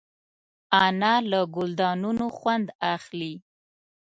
انا له ګلدانونو خوند اخلي